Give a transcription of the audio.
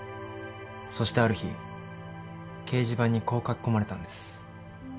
そしてある日掲示板にこう書き込まれたんです。